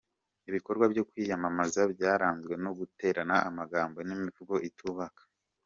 Ibikorwa byo kwiyamamaza byaranzwe no guterana amagambo n'imvugo itubaka.